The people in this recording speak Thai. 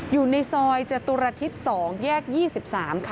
อยู่ในซอยจตุลอาทิตย์๒แยก๒๓ค่ะ